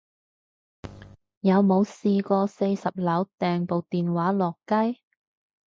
有冇試過四十樓掟部電話落街